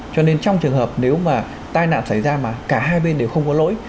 cho nên trong trường hợp nếu mà tai nạn xảy ra mà cả hai bên đều không có lỗi